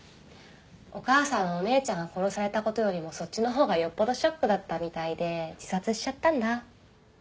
お母さんはお姉ちゃんが殺されたことよりもそっちの方がよっぽどショックだったみたいで自殺しちゃったんだ。